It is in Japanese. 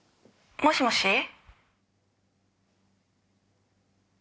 もしもし？